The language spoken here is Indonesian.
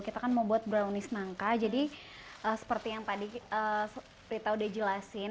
kita kan mau buat brownies nangka jadi seperti yang tadi prita udah jelasin